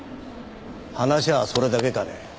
話はそれだけかね。